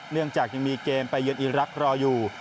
เนื่องจากยังมีเกมไปเยือนอีรักษ์รออยู่